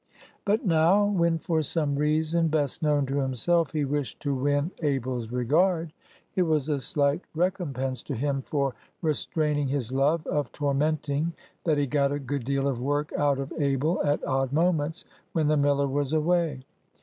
But now, when for some reason best known to himself, he wished to win Abel's regard, it was a slight recompense to him for restraining his love of tormenting that he got a good deal of work out of Abel at odd moments when the miller was away.